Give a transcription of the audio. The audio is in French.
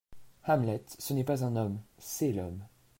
Hamlet, ce n’est pas un homme, c’est L’homme.